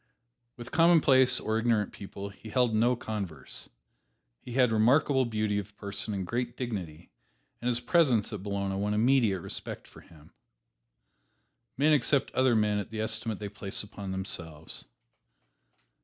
With commonplace or ignorant people he held no converse. He had remarkable beauty of person and great dignity, and his presence at Bologna won immediate respect for him. Men accept other men at the estimate they place upon themselves.